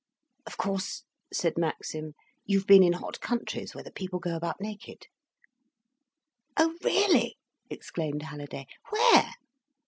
"Of course," said Maxim, "you've been in hot countries where the people go about naked." "Oh really!" exclaimed Halliday. "Where?"